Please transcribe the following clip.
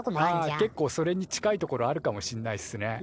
あ結構それに近いところあるかもしんないっすね。